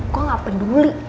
gue gak peduli